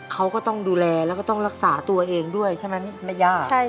เขาก็ต้องดูแลแล้วก็ต้องรักษาตัวเองด้วยใช่ไหมแม่ย่า